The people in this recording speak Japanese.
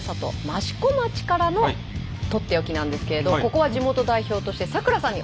益子町からのとっておきなんですけれどここは地元代表として咲楽さんにお願いします。